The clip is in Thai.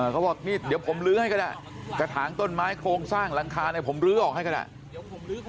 เขาบอกนี่เดี๋ยวผมลื้อให้ก็ได้กระถางต้นไม้โครงสร้างหลังคาเนี่ยผมลื้อออกให้ก็ได้